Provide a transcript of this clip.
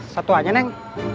satu aja neng